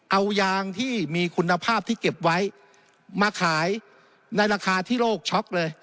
เอายางที่มีคุณภาพที่เก็บไว้มาขายในราคาที่โลกช็อกเลย